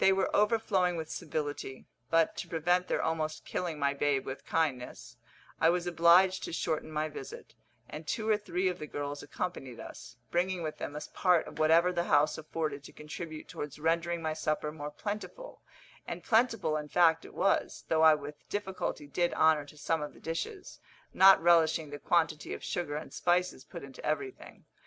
They were overflowing with civility; but, to prevent their almost killing my babe with kindness, I was obliged to shorten my visit; and two or three of the girls accompanied us, bringing with them a part of whatever the house afforded to contribute towards rendering my supper more plentiful; and plentiful in fact it was, though I with difficulty did honour to some of the dishes, not relishing the quantity of sugar and spices put into everything.